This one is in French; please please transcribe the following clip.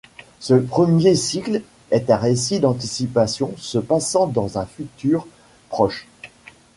Ce premier cycle est un récit d'anticipation se passant dans un futur proche.